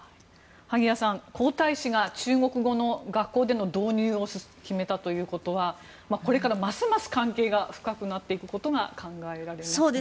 萩谷さん皇太子が中国語の学校での導入を決めたということはこれからますます関係が深くなっていくことが考えられますね。